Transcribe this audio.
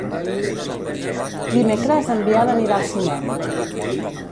Dimecres en Biel anirà al cinema.